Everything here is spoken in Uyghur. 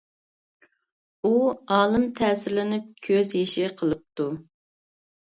ئۇ ئالىم تەسىرلىنىپ كۆز يېشى قىلىپتۇ.